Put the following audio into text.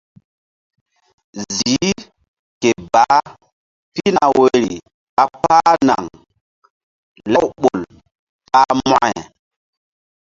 Ziih ke baah pihna woyri ɓa páh naŋ lawɓol pah mokȩ.